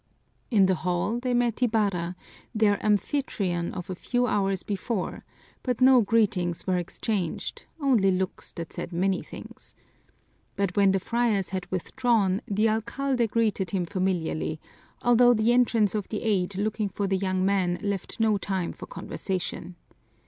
In the hall they met Ibarra, their amphitryon of a few hours before, but no greetings were exchanged, only looks that said many things. But when the friars had withdrawn the alcalde greeted him familiarly, although the entrance of the aide looking for the young man left no time for conversation.